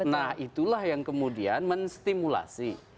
nah itulah yang kemudian menstimulasi